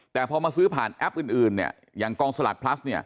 แต่พอมาซื้อผ่านแอปอื่นอย่างกองสลากพลัส